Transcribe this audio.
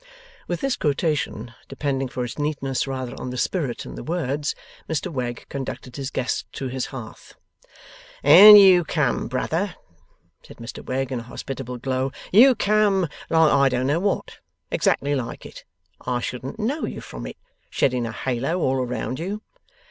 With this quotation (depending for its neatness rather on the spirit than the words), Mr Wegg conducted his guest to his hearth. 'And you come, brother,' said Mr Wegg, in a hospitable glow, 'you come like I don't know what exactly like it I shouldn't know you from it shedding a halo all around you.